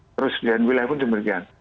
terus dan wilayah pun cuman